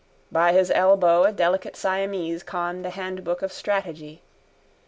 By his elbow a delicate Siamese conned a handbook of strategy.